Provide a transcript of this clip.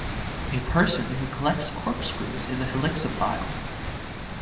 A person who collects corkscrews is a helixophile.